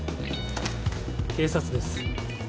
警察です。